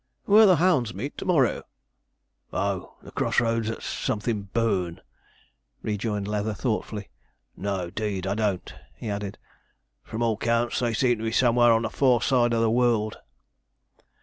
'Where the hounds meet to morrow.' 'Oh, the cross roads at Somethin' Burn,' rejoined Leather thoughtfully 'no, 'deed, I don't,' he added. 'From all 'counts, they seem to be somewhere on the far side of the world.'